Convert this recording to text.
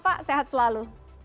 pak sehat selalu